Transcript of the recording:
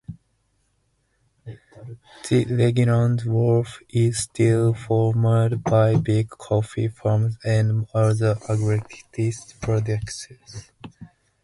The regions wealth is still formed by big coffee farms and other agriculturist products.